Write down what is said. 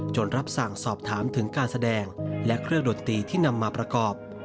รับสั่งสอบถามถึงการแสดงและเครื่องดนตรีที่นำมาประกอบ